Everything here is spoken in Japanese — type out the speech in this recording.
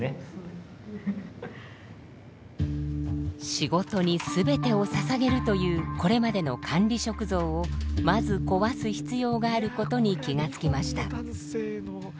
仕事に全てをささげるというこれまでの管理職像をまず壊す必要があることに気がつきました。